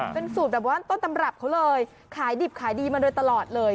เป็นสูตรแบบว่าต้นตำรับเขาเลยขายดิบขายดีมาโดยตลอดเลย